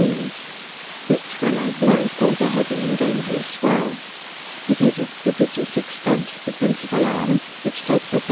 winds, which, when they blow, cause a heavy and dangerous swell. It is of prodigious extent, the principal arm, which takes a S.W.